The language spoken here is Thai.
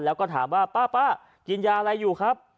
แล้วก็ถามว่าป้ากินยาอะไรอยู่ครับ